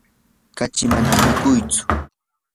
kachi manam mikuytsu.